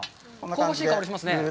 香ばしい香りがしますね。